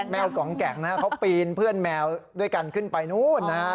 แมวกองแก่งนะเขาปีนเพื่อนแมวด้วยกันขึ้นไปนู้นนะฮะ